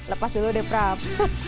lepas dulu deh prab